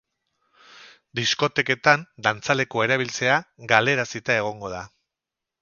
Diskoteketan dantzalekua erabiltzea galarazita egongo da.